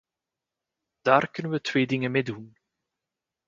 Daar kunnen we twee dingen mee doen.